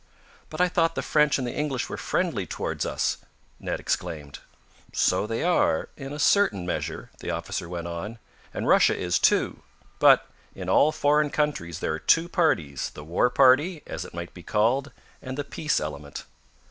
"But I thought the French and the English were friendly toward us!" Ned exclaimed. "So they are, in a certain measure," the officer went on. "And Russia is, too. But, in all foreign countries there are two parties, the war party, as it might be called, and the peace element.